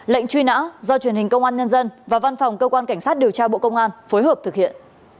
lệnh truy nã do truyền hình công an nhân dân và văn phòng cơ quan cảnh sát điều tra bộ công an phối hợp thực hiện